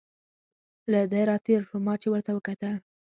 له ده را تېر شو، ما چې ورته وکتل.